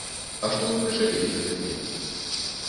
А што вы прычапіліся да мяне?